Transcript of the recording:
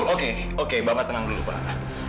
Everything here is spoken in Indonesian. oke oke bapak tenang dulu pak